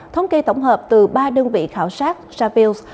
thống kê tổng hợp từ ba đơn vị khảo sát rafaels